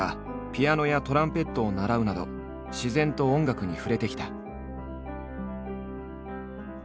ピアノやトランペットを習うなど自然と音楽に触れてきた。